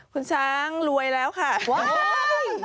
คุณช้างรวยแล้วค่ะว้าว